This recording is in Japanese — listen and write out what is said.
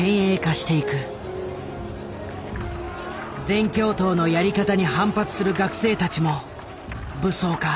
全共闘のやり方に反発する学生たちも武装化。